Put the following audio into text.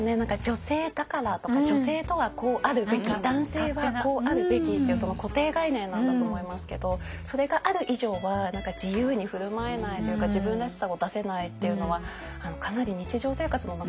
女性だからとか女性とはこうあるべき男性はこうあるべきっていう固定概念なんだと思いますけどそれがある以上は自由に振る舞えないというか自分らしさを出せないっていうのはかなり日常生活の中でもありますよね。